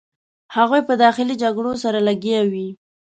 هغوی په داخلي جګړو سره لګیا وې.